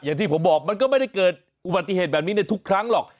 อย่างที่ผมบอกมันก็ไม่ได้เกิดอุบัติเหตุแบบนี้ในทุกครั้งหรอก